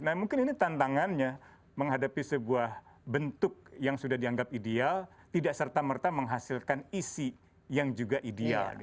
nah mungkin ini tantangannya menghadapi sebuah bentuk yang sudah dianggap ideal tidak serta merta menghasilkan isi yang juga ideal